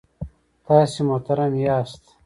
تاسې محترم یاست.